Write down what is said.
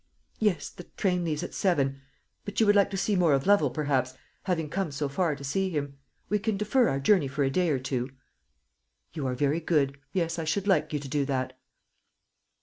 "Yes, the train leaves at seven. But you would like to see more of Lovel, perhaps, having come so far to see him. We can defer our journey for a day or two." "You are very good. Yes, I should like you to do that."